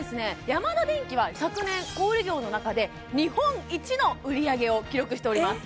ヤマダデンキは昨年小売業の中で日本一の売り上げを記録しております